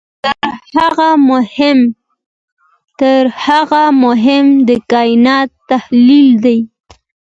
تر هغه مهم د کانټ تحلیل دی.